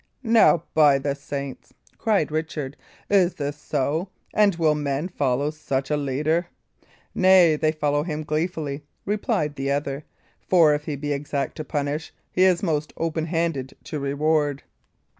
"Now, by the saints!" cried Richard, "is this so? And will men follow such a leader?" "Nay, they follow him gleefully," replied the other; "for if he be exact to punish, he is most open handed to reward.